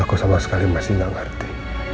aku sama sekali masih gak ngerti